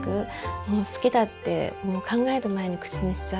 もう好きだって考える前に口にしちゃう。